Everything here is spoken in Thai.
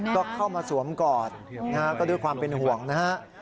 ก็เข้ามาสวมกอดนะฮะก็ด้วยความเป็นห่วงนะฮะ